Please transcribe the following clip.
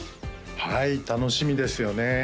はい楽しみですよね